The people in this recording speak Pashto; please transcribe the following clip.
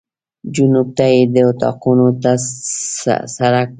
جنوب ته یې د اطاقونو ته سړک و.